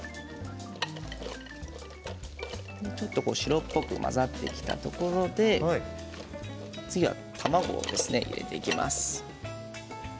ちょっと白っぽく混ざってきたところで次は卵を入れていきます。